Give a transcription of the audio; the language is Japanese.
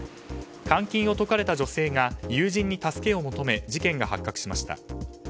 監禁を解かれた女性が友人に助けを求め事件が発覚しました。